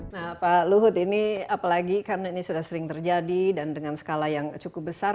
nah pak luhut ini apalagi karena ini sudah sering terjadi dan dengan skala yang cukup besar